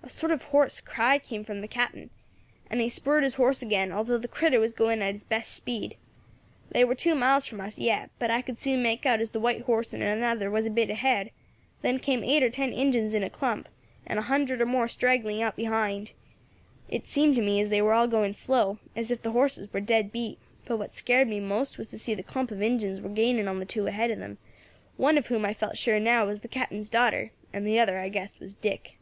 "A sort of hoarse cry came from the Captain, and he spurred his horse agin, although the critter was going at its best speed. They war two miles from us yet, but I could soon make out as the white horse and another was a bit ahead, then came eight or ten Injins in a clump, and a hundred or more straggling out behind. It seemed to me as they war all going slow, as if the horses war dead beat; but what scared me most was to see as the clump of Injins war gaining on the two ahead of them, one of whom I felt sure now was the Captain's daughter, and the other I guessed was Dick.